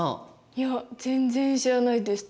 いや全然知らないです。